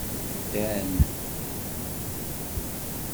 Ddan.